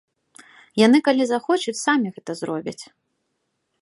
Яны, калі захочуць, самі гэта зробяць.